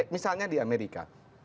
misalnya di amerika